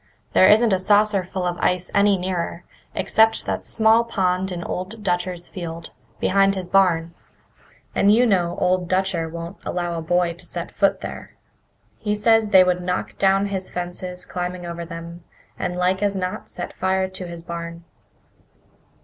"There isn't a saucerful of ice any nearer, except that small pond in Old Dutcher's field, behind his barn. And you know Old Dutcher won't allow a boy to set foot there. He says they would knock down his fences climbing over them, and like as not set fire to his barn."